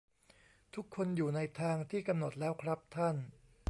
ทุกคนอยู่ในทางที่กำหนดแล้วครับท่าน